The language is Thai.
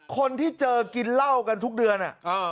คนที่เจอกินเหล้ากันทุกเดือน